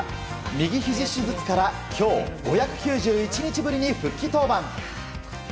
右ひじ手術から今日、５９１日ぶりに復帰登板。